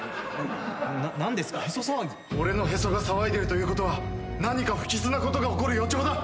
俺のへそが騒いでるということは何か不吉なことが起こる予兆だ。